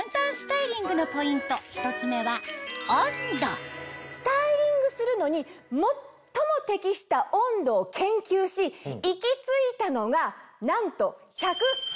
１つ目はスタイリングするのに最も適した温度を研究し行き着いたのがなんと。